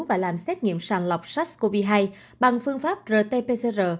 và làm xét nghiệm sàng lọc sars cov hai bằng phương pháp rt pcr